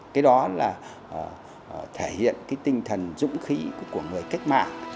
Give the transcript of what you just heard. cái đó là thể hiện cái tinh thần dũng khí của người cách mạng